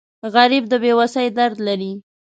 غریب د بې وسۍ درد لري